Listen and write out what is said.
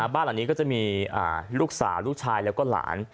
บ้านหลังนี้ก็จะมีลูกสาวลูกชายแล้วก็หลาน